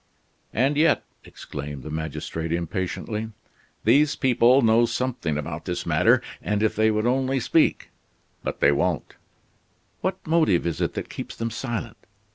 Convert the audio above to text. "And yet," exclaimed the magistrate impatiently, "these people know something about this matter, and if they would only speak " "But they won't." "What motive is it that keeps them silent?